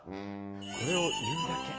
それを言うだけ！